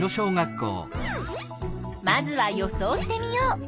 まずは予想してみよう。